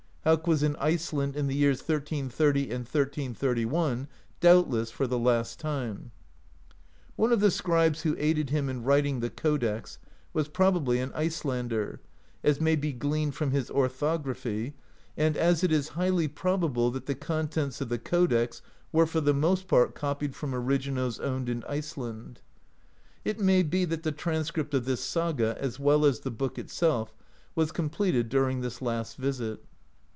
Hauk was in Iceland in the years 1330 and 1331, doubtless for the last time. One of the scribes who aided him in writing the codex was probably an Icelander, as may be gleaned from his orthography, and as it is highly probable that the con tents of the codex were for the most part copied from originals owned in Iceland ; it may be that the transcript of this saga, as well as the book itself, was completed dur ing this last visit.